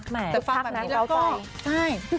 แต่ฟังแบบนี้เข้าใจ